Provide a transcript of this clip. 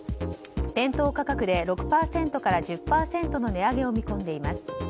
店頭価格で６％から１０％の値上げを見込んでいます。